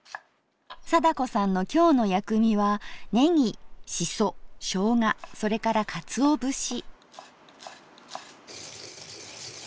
貞子さんの今日の薬味はねぎしそしょうがそれからかつお節。